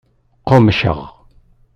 Qqummceɣ.